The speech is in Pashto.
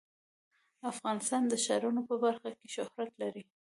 افغانستان د ښارونو په برخه کې شهرت لري.